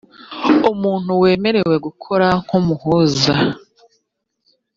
muntu wemerewe gukora nk umuhuza